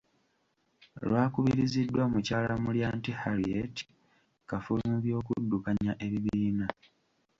Lwakubiriziddwa mukyala Mulyanti Harriet, kafulu mu by’okuddukanya ebibiina.